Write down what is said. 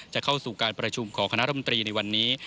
จะเข้าสู่การประชุมของคณะรมตรีในวันนี้